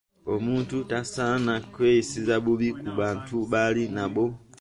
Omuntu tasaana kweyisiza bubi ku bantu baali nabo.